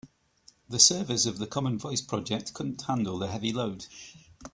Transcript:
The servers of the common voice project couldn't handle the heavy load.